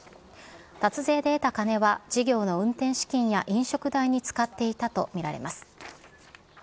脱税で得た金は、事業の運転資金や飲食代に使っていたと見られます。